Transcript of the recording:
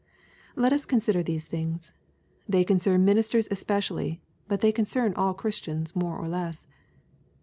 Let us consider these things. They concern ministers especially, but they concern all Christians more or less.